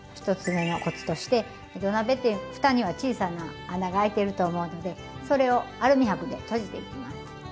１つ目のコツとして土鍋ってふたには小さな穴が開いてると思うのでそれをアルミ箔で閉じていきます。